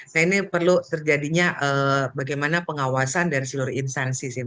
nah ini perlu terjadinya bagaimana pengawasan dari seluruh instansi sih